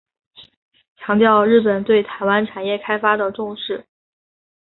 强调日本对台湾产业开发的重视。